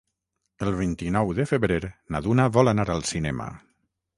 El vint-i-nou de febrer na Duna vol anar al cinema.